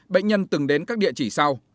bệnh nhân từng đến các địa chỉ sau